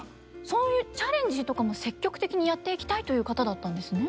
そういうチャレンジとかも積極的にやっていきたいという方だったんですね。